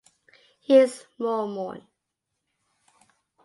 He is Mormon.